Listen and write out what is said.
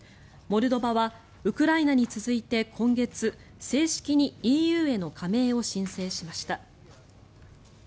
モルドバはウクライナに続いて今月正式にＥＵへの加盟を申請しました。